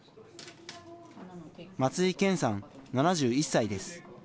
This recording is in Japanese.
松井憲さん７１歳です。